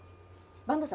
板東さん